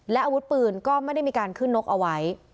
และอาวุธปืนก็ไม่ได้มีการขึ้นนกเอาไว้